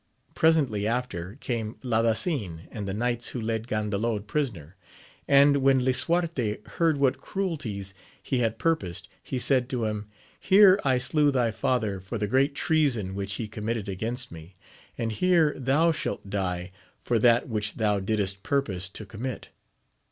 Presently after came Ladasin, and the knights who led Gandalod prisoner ; and when Lisuarte heard what cruelties he had pur posed, he said to him, Here I slew thy father for the great treason which he committed against me, and here thou shalt die for that which thou didst purpose to commit.